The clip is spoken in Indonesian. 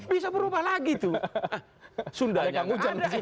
bisa berubah lagi tuh sundanya